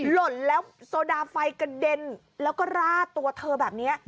หล่นแล้วโซดาไฟกระเด็นแล้วก็ราดตัวเธอแบบนี้